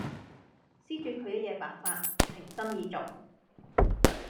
施主佢一夜白髮，情深義重